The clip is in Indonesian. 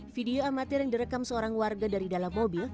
video amatir yang direkam seorang warga dari dalam mobil